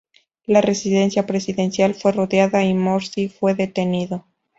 La residencia presidencial fue rodeada y Morsi fue detenido.